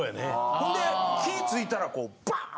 ほんで気ぃ付いたらこうバーン！